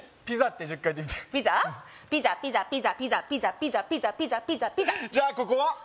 ピザピザピザピザピザピザピザピザピザピザじゃあここは？